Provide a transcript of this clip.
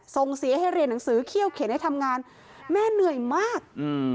ส่งเสียให้เรียนหนังสือเขี้ยวเข็นให้ทำงานแม่เหนื่อยมากอืม